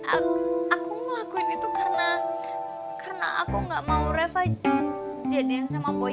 aku ngelakuin itu karena aku gak mau reva jadiin sama boy